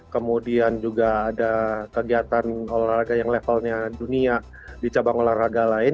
kemudian juga ada kegiatan olahraga yang levelnya dunia di cabang olahraga lain